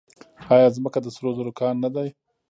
آیا ځمکه د سرو زرو کان نه دی؟